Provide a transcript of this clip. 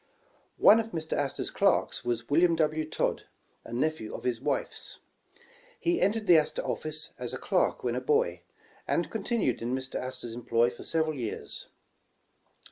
One of Mr. Astor's clerks was William W. Todd, a nephew of his wife's. He entered the Astor office as a clerk when a boy, and continued in Mr. Astor's employ for several years.